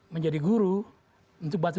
menjadi guru untuk batu